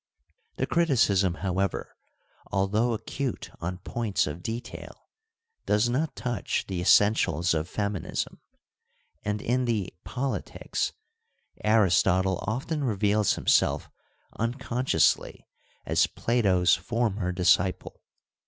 The criticism, however, although acute on points of detail, does not touch the essentials of feminism, and, in the Politics, Aristotle often reveals himself unconsciously as Plato's former disciple.